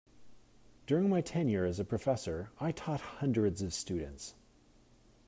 During my tenure as a professor, I taught hundreds of students.